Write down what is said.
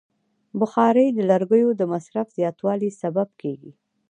بخاري د لرګیو د مصرف زیاتوالی سبب کېږي.